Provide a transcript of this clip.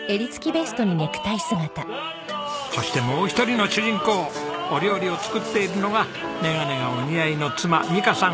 そしてもう一人の主人公お料理を作っているのが眼鏡がお似合いの妻美香さん